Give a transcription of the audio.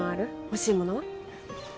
欲しいものは？